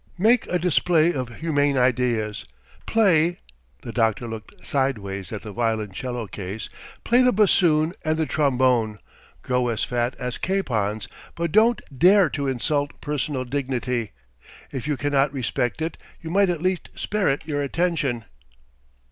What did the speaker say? Make a display of humane ideas, play (the doctor looked sideways at the violoncello case) play the bassoon and the trombone, grow as fat as capons, but don't dare to insult personal dignity! If you cannot respect it, you might at least spare it your attention!"